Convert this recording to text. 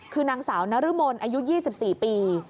คือนางสาวนรมนอายุ๒๔ปี